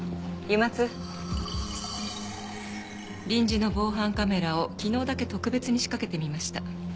臨時の防犯カメラを昨日だけ特別に仕掛けてみました。